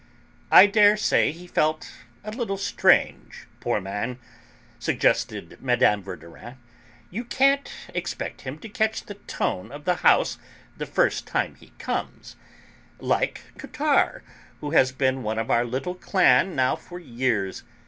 "I dare say he felt a little strange, poor man," suggested Mme. Verdurin. "You can't expect him to catch the tone of the house the first time he comes; like Cottard, who has been one of our little 'clan' now for years.